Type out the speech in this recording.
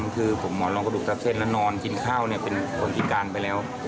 คือผมหมอนรองกระดูกทับเส้นแล้วนอนกินข้าวเป็นคนพิการไปแล้ว